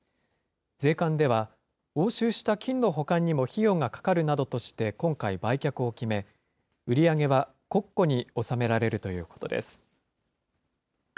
税関では、押収した金の保管にも費用がかかるなどとして今回売却を決め、売り上げは国庫に納められるということです。